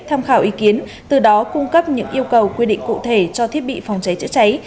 tham khảo ý kiến từ đó cung cấp những yêu cầu quy định cụ thể cho thiết bị phòng cháy chữa cháy